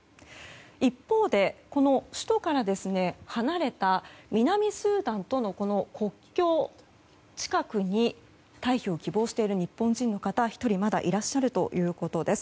一方で、首都から離れた南スーダンとの国境近くに退避を希望している日本人の方がまだ１人いらっしゃるということです。